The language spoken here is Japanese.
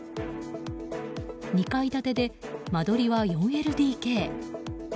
２階建てで間取りは４ＬＤＫ。